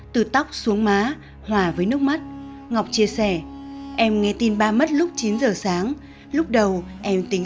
từ tóc xuống má hòa với nước mắt ngọc chia sẻ em nghe tin ba mất lúc chín giờ sáng lúc đầu em tính